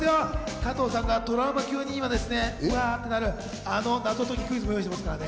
加藤さんがトラウマ級に思っている謎解きクイズも用意していますからね。